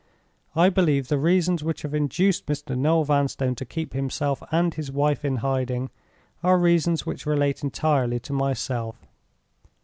"I believe the reasons which have induced Mr. Noel Vanstone to keep himself and his wife in hiding are reasons which relate entirely to myself.